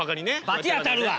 罰当たるわ！